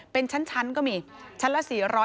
เป็นชั้นก็มีชั้นละ๔๐๐